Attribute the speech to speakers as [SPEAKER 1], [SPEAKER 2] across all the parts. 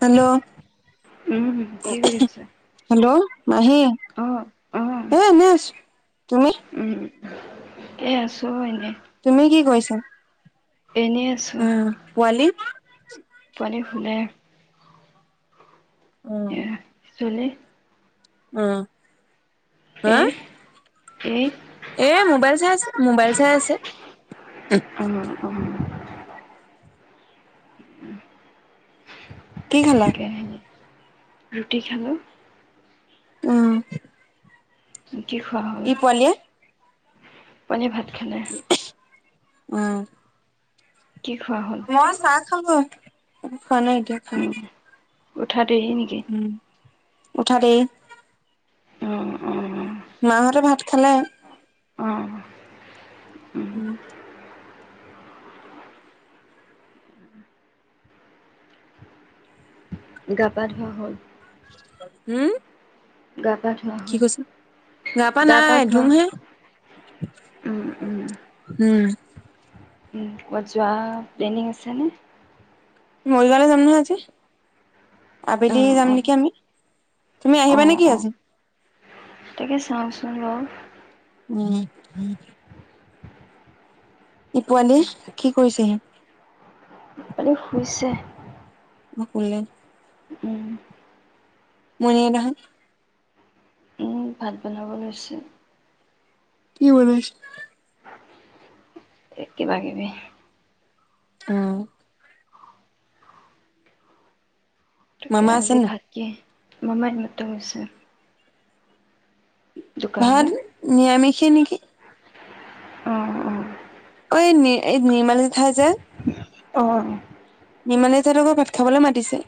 [SPEAKER 1] Hello!
[SPEAKER 2] উম, কি কৰি আছা?
[SPEAKER 1] হেল্ল'! মাহী,
[SPEAKER 2] অ', অ',
[SPEAKER 1] এ এনেই আছোঁ। তুমি?
[SPEAKER 2] উম, এই আছোঁ এনেই।
[SPEAKER 1] তুমি কি কৰিছা?
[SPEAKER 2] এনে
[SPEAKER 1] উম, পোৱালি?
[SPEAKER 2] পোৱালি শুলে।
[SPEAKER 1] উম।
[SPEAKER 2] এ [unintelligible]
[SPEAKER 1] উম।
[SPEAKER 2] এহ এহ
[SPEAKER 1] এই মোবাইল চাই আছে মোবাইল চাই আছে।
[SPEAKER 2] অ', অ'।
[SPEAKER 1] কি খালা
[SPEAKER 2] তাকে হেৰী ৰুটি খালোঁ।
[SPEAKER 1] অহ'
[SPEAKER 2] ৰুটি খোৱা [unintelligible]
[SPEAKER 1] ই পোৱালিয়ে।
[SPEAKER 2] পোৱালিয়ে ভাত খালে।
[SPEAKER 1] উম।
[SPEAKER 2] কি খোৱা হ'ল?
[SPEAKER 1] অ', চাহ খালোঁ একো খোৱা নাই এতিয়া খাম।
[SPEAKER 2] উম, উঠা দেৰি নেকি?
[SPEAKER 1] উম, উঠা দেৰি।
[SPEAKER 2] অ', অ'।
[SPEAKER 1] মাহঁতে ভাত খালে।
[SPEAKER 2] অ'।
[SPEAKER 1] উম।
[SPEAKER 2] গা পা ধুৱা হ'ল?
[SPEAKER 1] উম?
[SPEAKER 2] গা পা ধোৱা
[SPEAKER 1] কি
[SPEAKER 2] হ'ল?
[SPEAKER 1] কৈছা, গা পা নাই ধুমহে।
[SPEAKER 2] উম, উম।
[SPEAKER 1] উম
[SPEAKER 2] উম, ক'বাত যোৱা প্লেনিং আছে নে?
[SPEAKER 1] মৰিগাওঁলে যাম নহয় আজি। আবেলি
[SPEAKER 2] অ',
[SPEAKER 1] যাম
[SPEAKER 2] অ',
[SPEAKER 1] নেকি আমি, তুমি আহিবা
[SPEAKER 2] অ',
[SPEAKER 1] নেকি
[SPEAKER 2] অ',
[SPEAKER 1] আজি?
[SPEAKER 2] তাকে চাওঁচোন বাও।
[SPEAKER 1] উম। ই পোৱালি কি কৰিছে সি
[SPEAKER 2] পোৱালিয়ে শুইছে।
[SPEAKER 1] উহ শুলে
[SPEAKER 2] উম
[SPEAKER 1] [unintelligible]
[SPEAKER 2] উম ভাত বনাব লৈছে
[SPEAKER 1] কি বনাইছ
[SPEAKER 2] এই কিবা কিবি
[SPEAKER 1] অহ'
[SPEAKER 2] তাকে
[SPEAKER 1] মামা আছে
[SPEAKER 2] আজি
[SPEAKER 1] নাই?
[SPEAKER 2] ভাত কি মমাই এই মাত্ৰ গৈছে
[SPEAKER 1] ভাত
[SPEAKER 2] দোকানলৈ
[SPEAKER 1] নিৰামিষে নেকি?
[SPEAKER 2] অহ অহ
[SPEAKER 1] ঐ নি এই নিৰ্মালি জেঠাই যে
[SPEAKER 2] অ
[SPEAKER 1] নিৰ্মালি জেঠাইহতৰ ঘৰত ভাত খাবলে মাতিছে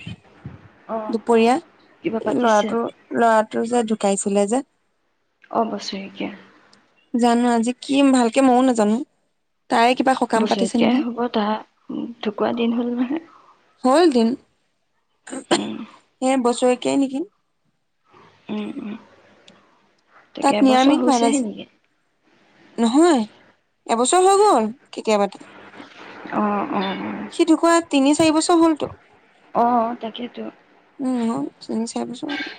[SPEAKER 2] অ অ
[SPEAKER 1] দুপৰীয়া
[SPEAKER 2] কিবা
[SPEAKER 1] এই
[SPEAKER 2] পাতিছে
[SPEAKER 1] ল'ৰাটোৰ ল'ৰাটো যে ঢুকাইছিলে যে
[SPEAKER 2] অ' বছেৰেকিয়া।
[SPEAKER 1] জানো আজি কি ভালকে আজি মইও নাজানো। তাৰে কিবা খ
[SPEAKER 2] বছৰেকীয়াই হ'ব তাৰ ঢুকুৱা দিন হ'ল নহয়।
[SPEAKER 1] হ'ল দিন
[SPEAKER 2] উম
[SPEAKER 1] হেই বছৰেকীয়াই নেকি।
[SPEAKER 2] উম উম, তাকে
[SPEAKER 1] তাত
[SPEAKER 2] এবছৰ
[SPEAKER 1] নিৰামিষ ভাত
[SPEAKER 2] হৈছেহে
[SPEAKER 1] আজি
[SPEAKER 2] নেকি?
[SPEAKER 1] নহয় এবছৰ হৈ গ'ল কেতিয়াবাতে।
[SPEAKER 2] অ অ।
[SPEAKER 1] সি ঢুকুৱা তিনি চাৰি বছৰ হ'ল তো
[SPEAKER 2] অ তাকেইতো।
[SPEAKER 1] উম তিনি চাৰি বছৰ হ'ল।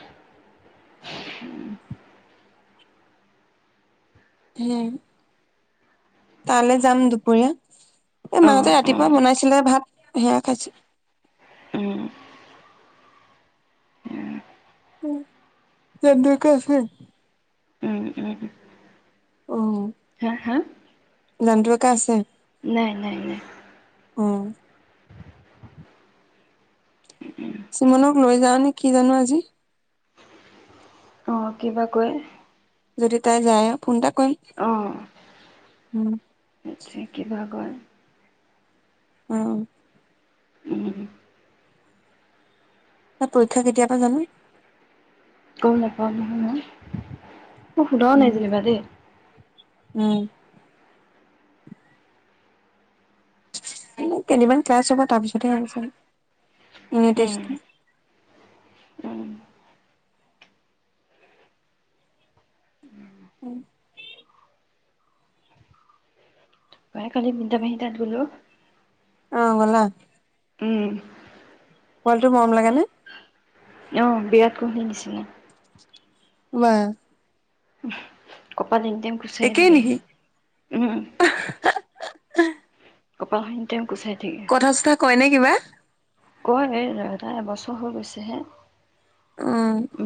[SPEAKER 1] উম তালে যাম দুপৰীয়া। এই
[SPEAKER 2] অ
[SPEAKER 1] মাহঁতে
[SPEAKER 2] অ
[SPEAKER 1] ৰাতিপুৱা বনাইছিলে ভাত, সেয়া খাইছে।
[SPEAKER 2] উম
[SPEAKER 1] [unintelligible]
[SPEAKER 2] উম উম
[SPEAKER 1] অ
[SPEAKER 2] হা হা
[SPEAKER 1] ৰানদোকা আছে
[SPEAKER 2] নাই নাই নাই
[SPEAKER 1] অ চুমনক লৈ যাওঁ নে কি জানো আজি
[SPEAKER 2] অঁ কিবা কয়
[SPEAKER 1] যদি তাই যায় ফোন এটা কৰিম
[SPEAKER 2] অ
[SPEAKER 1] উম
[SPEAKER 2] কি বা কয়
[SPEAKER 1] অঁ
[SPEAKER 2] [inaudible]
[SPEAKER 1] তাৰ পৰীক্ষা কেতিয়াপৰা জানো?
[SPEAKER 2] গম নাপাও নহয় মই, মই শুধাও নাই
[SPEAKER 1] উম,
[SPEAKER 2] যেনিবা দেই।
[SPEAKER 1] উম কেইদিনমান ক্লাছ হ'ব তাৰ পিছতহে হ'ব চাগে ইউনি
[SPEAKER 2] উম
[SPEAKER 1] টেষ্ট
[SPEAKER 2] উম
[SPEAKER 1] উম
[SPEAKER 2] বাই কালি ভিটামিন এটা দিলো
[SPEAKER 1] আহ গ'লা।
[SPEAKER 2] উম
[SPEAKER 1] পোৱালিটো মৰম লাগে নে?
[SPEAKER 2] অঁহ বিৰাট কোলি নিছিনা।
[SPEAKER 1] ৱাহ।
[SPEAKER 2] কপাল এনি টাইম কুচাই
[SPEAKER 1] একেই
[SPEAKER 2] থাকে,
[SPEAKER 1] নেকি
[SPEAKER 2] উম। কপালখন এনিটাইম কুচাই থাকে।
[SPEAKER 1] কথা চথা কয় নে কিবা?
[SPEAKER 2] কয় এ তাৰ এবছৰ হৈ গৈছেহে।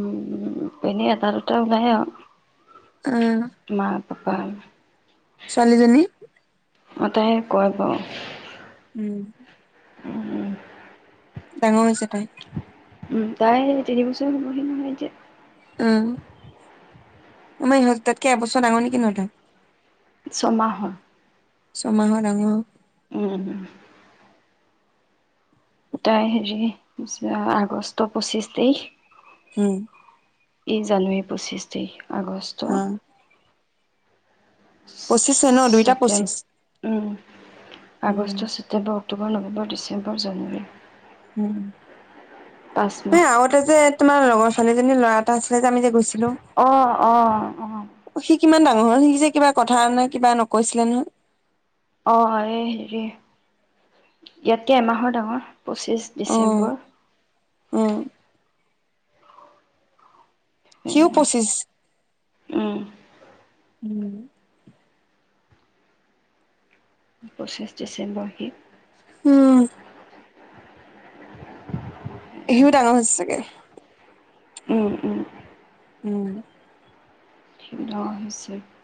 [SPEAKER 2] উম উম। এনেই এটা দুটা ওলাই আৰু।
[SPEAKER 1] উম
[SPEAKER 2] মা, পাপা।
[SPEAKER 1] ছোৱালীজনী
[SPEAKER 2] অ তাই কৰে বাৰু
[SPEAKER 1] উম
[SPEAKER 2] উম
[SPEAKER 1] ডাঙৰ হৈছে তাই
[SPEAKER 2] উম তাই তিন বছৰ হ'বহি নহয় এতিয়া।
[SPEAKER 1] উম আমাৰ ইহঁত দুটাতকে এবছৰ ডাঙৰ নেকি নহ তাই
[SPEAKER 2] ছমাহৰ
[SPEAKER 1] ছমাহৰ ডাঙৰ
[SPEAKER 2] উম তাই হেৰি আগষ্ট পঁচিছ তাৰিখ।
[SPEAKER 1] উম
[SPEAKER 2] এই জানুৱাৰী পঁচিছ তাৰিখ আগষ্ট।
[SPEAKER 1] অ পঁচিছে ন দুইটা
[SPEAKER 2] ছেপ্তেম
[SPEAKER 1] পঁচিছ।
[SPEAKER 2] উম
[SPEAKER 1] উম।
[SPEAKER 2] August September October November December January. পাঁচ
[SPEAKER 1] উম
[SPEAKER 2] মাহ
[SPEAKER 1] এই আগতে যে তোমাৰ লগৰ ছোৱালীজনী ল'ৰা এটা আছিলে যে আমি যে গৈছিলোঁ।
[SPEAKER 2] অ অ অ
[SPEAKER 1] অ সি কিমান ডাঙৰ হ'ল সি যে কিবা কথা নে কিবা নকৈছিলে নহয়।
[SPEAKER 2] অঁ এই হেৰি ইয়াতকে এমাহৰ ডাঙৰ পঁচিছ ডিচেম্বৰ।
[SPEAKER 1] অ সিও পঁচিছ
[SPEAKER 2] উম
[SPEAKER 1] উম।
[SPEAKER 2] পঁচিছ ডিচেম্বৰ সি
[SPEAKER 1] উম সিও ডাঙৰ হৈছে চাগে।
[SPEAKER 2] উম উম
[SPEAKER 1] উম
[SPEAKER 2] [unintelligible]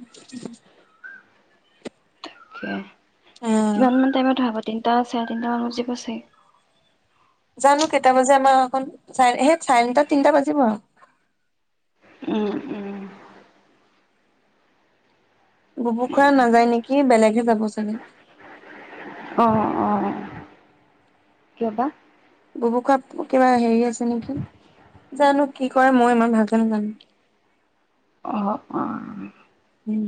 [SPEAKER 1] উ [unintelligible] উম,
[SPEAKER 2] কিমান মান টাইমত ধৰা তিনিটা চাৰে তিনটা মান বজিব চাগে।
[SPEAKER 1] জানো কেইটা বাজে আমাৰ অকন চাৰে সেই চাৰে তিনিটা, তিনটা বাজিব আৰু
[SPEAKER 2] উম উম
[SPEAKER 1] গুবু খুৰা নাযায় নেকি বেলেগে যাব চাগে।
[SPEAKER 2] অ অ অ কিয় বা
[SPEAKER 1] গুবু খুৰা কিবা হেৰি আছে নেকি জানো কি কৰে মই ইমান ভালকে নাজানো।
[SPEAKER 2] অঁ'।
[SPEAKER 1] উম।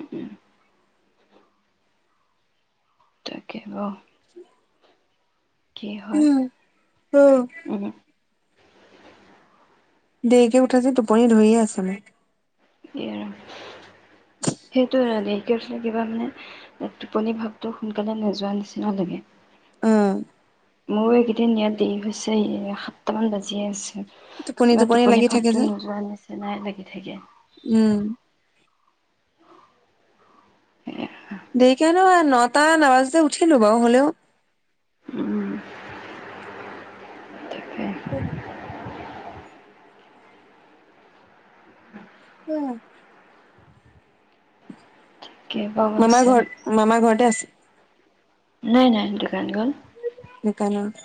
[SPEAKER 2] উ উম। [unintelligible]
[SPEAKER 1] [unintelligible]
[SPEAKER 2] কি হয়।
[SPEAKER 1] অ'।
[SPEAKER 2] উম
[SPEAKER 1] দেৰিকে উঠাযে টোপনি ধৰিয়ে আছে মোৰ।
[SPEAKER 2] এই আৰু। সেইটোৱে আদি। কেচটো কিবা মানে টোপনি ভাৱটো সোনকালে নোযোৱা নিচিনা লাগে।
[SPEAKER 1] অঁ।
[SPEAKER 2] মোৰ এইকেইদিন ইয়াত দেৰি হৈছে, এই সাতটামান বাজিয়ে আছে।
[SPEAKER 1] টোপনি
[SPEAKER 2] কিবা টোপনি
[SPEAKER 1] লাগি থাকে যে।
[SPEAKER 2] ভাৱটো নোযোৱাৰ নিচিনাই লাগি থাকে।
[SPEAKER 1] উম। দেৰিকে ন নটা নাবাজোতে উঠিলো বাৰু হ'লেও
[SPEAKER 2] উম। তাকে
[SPEAKER 1] [unintelligible] উম।
[SPEAKER 2] কেইবা
[SPEAKER 1] মামা
[SPEAKER 2] গৈছে
[SPEAKER 1] ঘৰত, মামা ঘৰতে আছে?
[SPEAKER 2] নাই নাই দোকান গল।
[SPEAKER 1] দোকানত।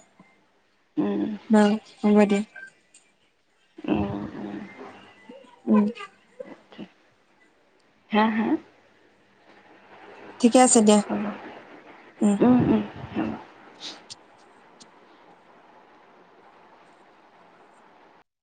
[SPEAKER 2] উম।
[SPEAKER 1] ন হ'ব দিয়া।
[SPEAKER 2] উম উম
[SPEAKER 1] উম।
[SPEAKER 2] হা? হা?
[SPEAKER 1] ঠিকে আছে দিয়া
[SPEAKER 2] হ'ব
[SPEAKER 1] উ।
[SPEAKER 2] উম উম। হ'ব